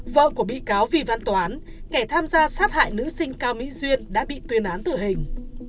vợ của bị cáo vì văn toán kẻ tham gia sát hại nữ sinh cao mỹ duyên đã bị tuyên án tử hình